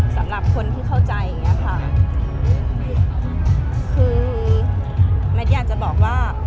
สำหรับคนที่เข้าใจคือแมทอยากจะบอกว่า